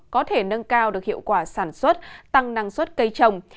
có thể nâng cao được hiệu quả sản xuất tăng năng suất cây trồng